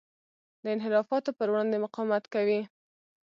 د انحرافاتو پر وړاندې مقاومت کوي.